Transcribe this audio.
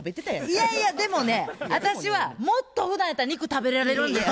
いやいやでもね私はもっとふだんやったら肉食べられるんですよ。